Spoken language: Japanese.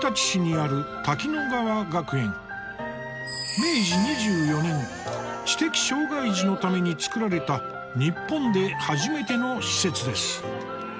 明治２４年知的障害児のために作られた日本で初めての施設です。